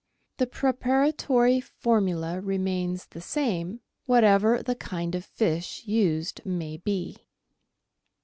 The preparatory formula remains the same, whatever the kind of fish used may be.